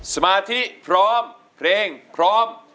สมาธิพร้อมเพลงพร้อม